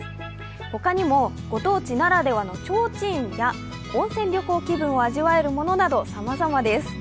他にも、御当地ならではのちょうちんや温泉旅行気分を味わえるものなどさまざまです。